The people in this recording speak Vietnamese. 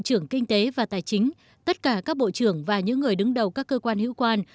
trưởng kinh tế và tài chính tất cả các bộ trưởng và những người đứng đầu các cơ quan hữu quan